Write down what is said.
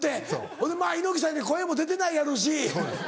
ほんでまぁ猪木さんいて声も出てないやろし。